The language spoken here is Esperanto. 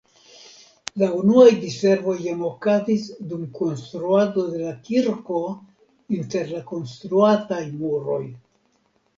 La unuaj diservoj jam okazis dum konstruado de la kirko inter la konstruataj muroj.